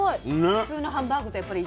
普通のハンバーグとやっぱり。